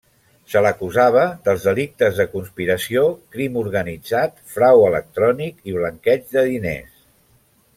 Se l'acusava dels delictes de conspiració, crim organitzat, frau electrònic i blanqueig de diners.